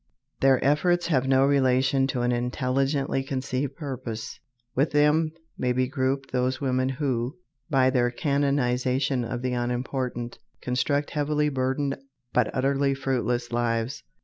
Their efforts have no relation to an intelligently conceived purpose. With them may be grouped those women who, by their canonization of the unimportant, construct heavily burdened but utterly fruitless lives.